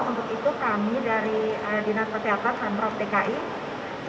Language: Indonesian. untuk itu kami dari dinas kesehatan dan provinsi dki